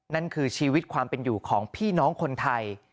นั่นคือชีวิตความเป็นอยู่ของพี่น้องคนไทย